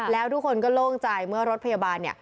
แล้วทุกคนก็โล่งใจเมื่อรถพยาบาลเนี่ย